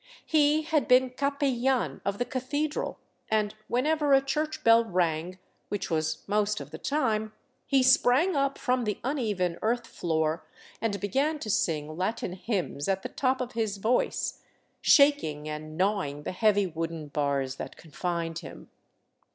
He had been capellan of the cathedral, and whenever a church bell rang — which was most of the time — he sprang up from the uneven earth floor and began to sing Latin hymns at the top of his voice, shaking and gnawing the heavy wooden bars that confined him.